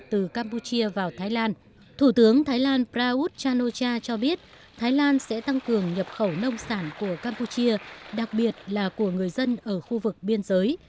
từ campuchia vào thái lan thủ tướng thái lan praut chan o cha cho biết thái lan sẽ tăng cường nhập khẩu nông sản của campuchia đặc biệt là của người dân ở khu vực biên giới